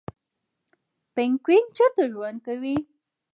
پینګوین چیرته ژوند کوي؟